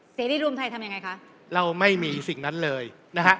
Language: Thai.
สีรีดรวมไทยทำยังไงคะ